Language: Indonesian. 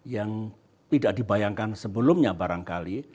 yang tidak dibayangkan sebelumnya barangkali